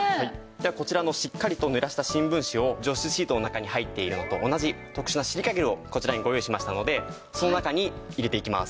ではこちらのしっかりとぬらした新聞紙を除湿シートの中に入っているのと同じ特殊なシリカゲルをこちらにご用意しましたのでその中に入れていきます。